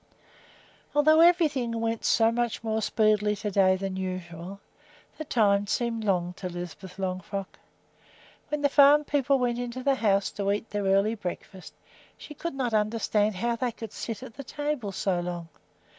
Although everything went so much more speedily to day than usual, the time seemed long to Lisbeth Longfrock. When the farm people went into the house to eat their early breakfast, she could not understand how they could sit at the table so long.